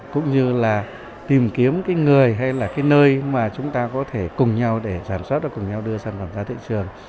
cũng như là tìm kiếm cái người hay là cái nơi mà chúng ta có thể cùng nhau để sản xuất và cùng nhau đưa sản phẩm ra thị trường